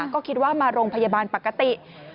ก็คิดว่ามาโรงพยาบาลปกติ